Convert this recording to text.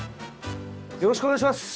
よろしくお願いします。